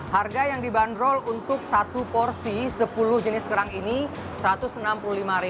harga yang dibanderol untuk satu porsi sepuluh jenis kerang ini rp satu ratus enam puluh lima